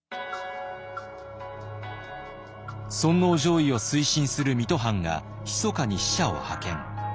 尊皇攘夷を推進する水戸藩がひそかに使者を派遣。